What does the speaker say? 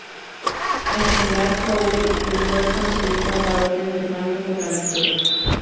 Al general Howe le fue concedida la Orden del Baño por la victoria.